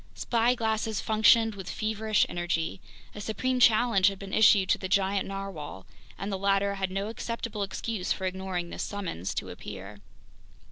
Spyglasses functioned with feverish energy. A supreme challenge had been issued to the giant narwhale, and the latter had no acceptable excuse for ignoring this Summons to Appear!